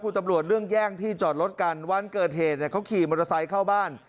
คุณตำรวจเรื่องแย่งที่จอดรถกันวันเกิดเหตุเนี่ยเขาขี่มอเตอร์ไซค์เข้าบ้าน